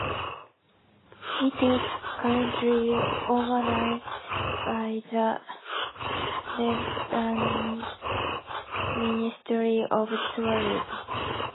It is currently organised by the Lebanese Ministry of Tourism.